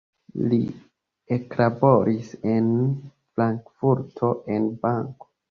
Li eklaboris en Frankfurto en banko.